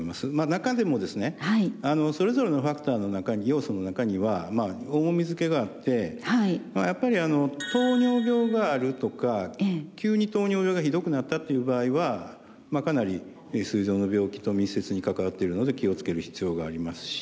中でもですねそれぞれのファクターの中に要素の中には重み付けがあってまあやっぱり糖尿病があるとか急に糖尿病がひどくなったという場合はかなりすい臓の病気と密接に関わっているので気をつける必要がありますし